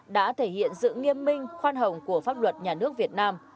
đã thể hiện sự nghiêm minh khoan hồng của pháp luật nhà nước việt nam